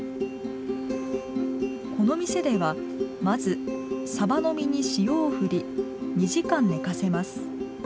この店では、まずさばの身に塩をふり、２時間寝かせます。